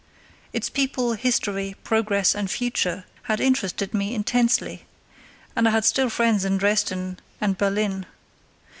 Its people, history, progress, and future had interested me intensely, and I had still friends in Dresden and Berlin.